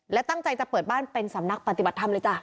และตั้งใจจะเปิดบ้านเป็นสำนักปฏิบัติธรรมเลยจ้ะ